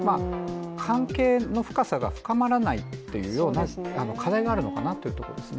関係の深さが深まらないという課題があるのかなというところですね。